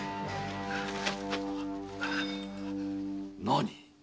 何？